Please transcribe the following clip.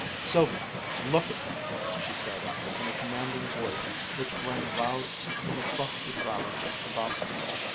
"Sylvia, look at me!" she said in a commanding voice which rang loud in the frosty silences about them.